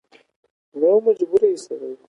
ډوډۍ چڼېسه کړې ده